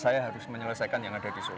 saya harus menyelesaikan yang ada di solo